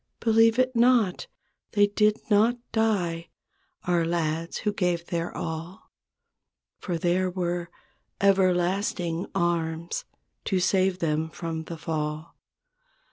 Believe it not. They did not die— Our lads who gave their all. For there were "Everlasting Arms" To save them from the fall.